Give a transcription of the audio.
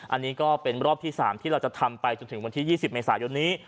อันนี้ก็เป็นรอบที่๓ที่เราจะทำไปจนถึงวันที่๒๐เมษายนนี้